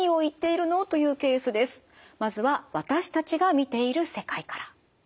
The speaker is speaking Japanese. まずは私たちが見ている世界から。